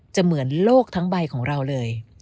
เหมือนโลกทั้งใบของเราเลย